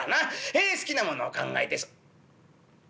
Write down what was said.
へえ好きなものを考えて」。